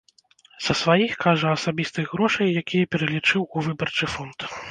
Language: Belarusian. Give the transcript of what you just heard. Са сваіх, кажа, асабістых грошай, якія пералічыў у выбарчы фонд.